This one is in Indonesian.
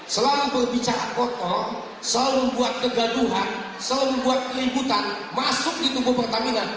selalu berbicara kotor selalu membuat kegaduhan selalu membuat kelembutan masuk di tubuh pertamina